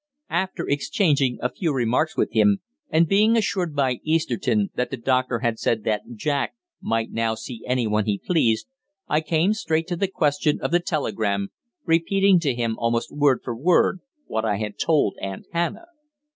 After exchanging a few remarks with him, and being assured by Easterton that the doctor had said that Jack might now see anyone he pleased, I came straight to the question of the telegram, repeating to him almost word for word what I had told Aunt Hannah.